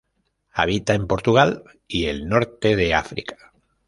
Habita en Portugal y el Norte de África.